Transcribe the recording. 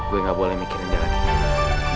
gua gak boleh mikirin dia lagi